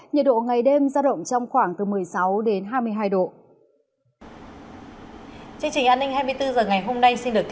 nhiệt độ ngày đêm ra động trong khoảng từ một mươi sáu hai mươi hai độ